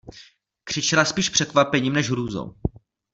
Křičela spíš překvapením než hrůzou.